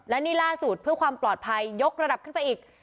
และนี่ล่าสุดเพื่อความปลอดภัยยกระดับขึ้นไปอีก